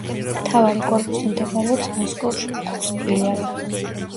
მთავარი კორპუსი მდებარეობს მოსკოვში; აქვს ფილიალები.